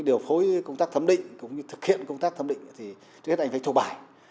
điều phối công tác thẩm định thực hiện công tác thẩm định thì trước hết anh phải thuộc bài